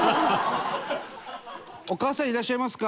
お母さんいらっしゃいますか？